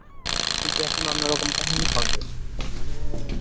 কিন্তু এখন অন্যরকম কাহিনী হবে।